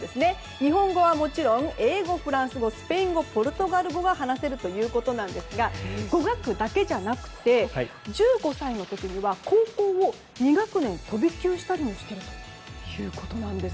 日本語はもちろん英語、フランス語、スペイン語ポルトガル語が話せるということですが語学だけじゃなく１５歳の時には高校を２学年飛び級しているんです。